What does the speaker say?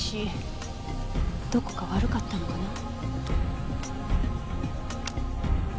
どこか悪かったのかな？